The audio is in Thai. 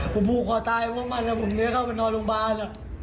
ผมผูกคอตายกับพวกมันแล้วผมเลือกเข้าไปนอนโรงบาล